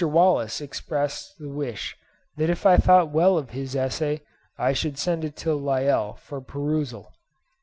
Wallace expressed the wish that if I thought well of his essay, I should sent it to Lyell for perusal.